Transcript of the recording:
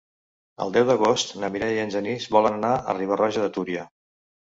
El deu d'agost na Mireia i en Genís volen anar a Riba-roja de Túria.